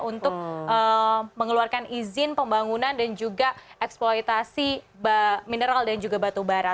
untuk mengeluarkan izin pembangunan dan juga eksploitasi mineral dan juga batu bara